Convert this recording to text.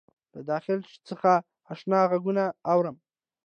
له داخل څخه آشنا غــــــــــږونه اورم